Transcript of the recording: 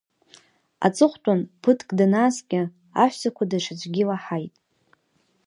Аҵыхәтәан, ԥыҭк данааскьа, аҳәсақәа даҽаӡәгьы илаҳаит.